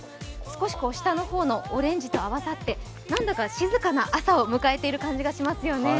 少し下の方のオレンジと合わさってなんだか静かな朝を迎えている感じがしますよね。